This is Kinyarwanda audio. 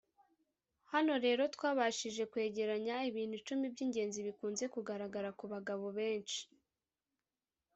hano rero twabashije kwegeranya ibintu icumi by'ingenzi bikunze kugaragara ku bagabo benshi